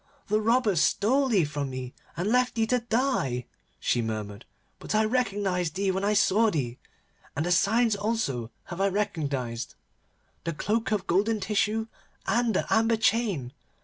'The robbers stole thee from me, and left thee to die,' she murmured, 'but I recognised thee when I saw thee, and the signs also have I recognised, the cloak of golden tissue and the amber chain.